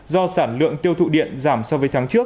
do sản lượng tiêu thụ điện giảm so với tháng trước